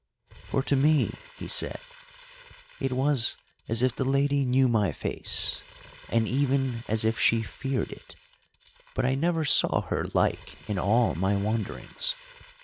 "For to me," he said, "it was as if the Lady knew my face, and even as if she feared it; but I never saw her like in all my wanderings.